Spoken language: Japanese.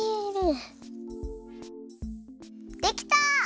できた！